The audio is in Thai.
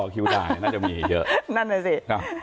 คิดกันก่อนนะสิ